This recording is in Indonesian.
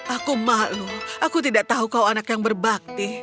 aku malu aku tidak tahu kau anak yang berbakti